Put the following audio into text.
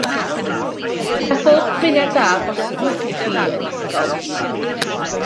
Gyda phob dymuniad da posibl i chi yn unigol